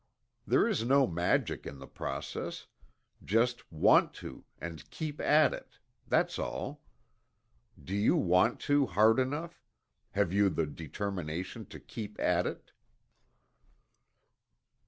There is no magic in the process just "want to" and "keep at it," that's all. Do you want to hard enough have you the determination to keep at it?